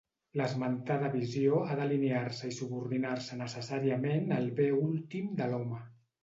L'esmentada visió ha d'alinear-se i subordinar-se necessàriament al Bé Últim de l'home.